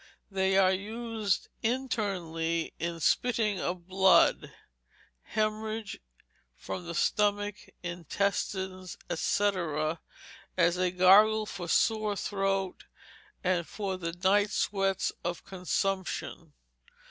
They are used internally in spitting of blood, hemorrhage from the stomach, intestines, &c., as a gargle for sore throat, and for the night sweats of consumption.